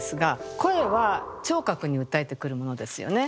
「声」は聴覚に訴えてくるものですよね。